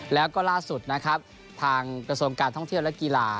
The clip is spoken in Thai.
แล้วก็ล่าสุดนะครับทางกระทรวงการท่องเที่ยวและกีฬา